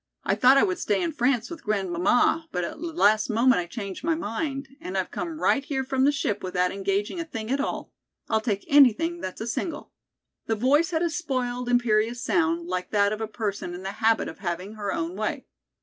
I thought I would stay in France with grandmamma, but at the last moment I changed my mind, and I've come right here from the ship without engaging a thing at all. I'll take anything that's a single." The voice had a spoiled, imperious sound, like that of a person in the habit of having her own way.